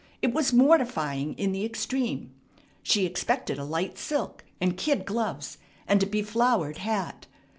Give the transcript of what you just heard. It was mortifying in the extreme. She expected a light silk, and kid gloves, and a beflowered hat.